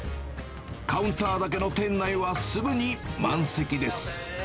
カウンターだけの店内はすぐに満席です。